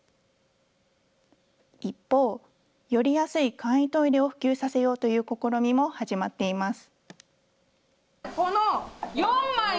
一方、より安い簡易トイレを普及させようという試みも始まっています。